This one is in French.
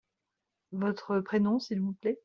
Votre prénom, s'il vous plait ?